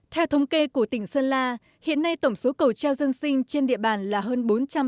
theo thống kê của tỉnh sơn la hiện nay tổng số cầu treo dân sinh trên địa bàn là hơn bốn trăm linh